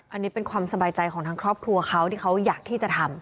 อันนี้เป็นความสบายใจของทางครอบครัวเขาที่เขาอยากที่จะทำ